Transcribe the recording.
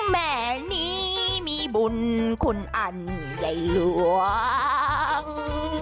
แม่นี้มีบุญคุณอันใหญ่หลวง